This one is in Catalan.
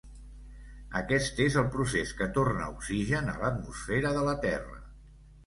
Aquest és el procés que torna oxigen a l'atmosfera de la Terra.